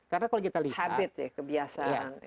karena kalau kita lihat habit ya kebiasaan